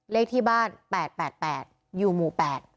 เลขที่บ้าน๘๘๘ยูมู๘